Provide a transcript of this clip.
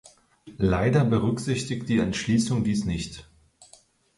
Leider berücksichtigt die Entschließung dies nicht.